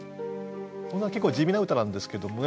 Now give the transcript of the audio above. こんな結構地味な歌なんですけどもね